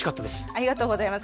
ありがとうございます。